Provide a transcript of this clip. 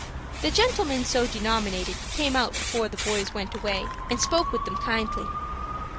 The gentleman, so denominated, came out before the boys went away, and spoke with them kindly.